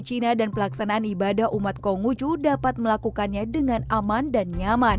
cina dan pelaksanaan ibadah umat konghucu dapat melakukannya dengan aman dan nyaman